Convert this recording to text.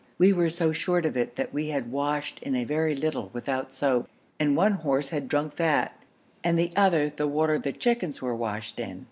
We were so short of it that we had washed in a very little without soap, and one horse had drunk that, and the other the water the chickens were washed in.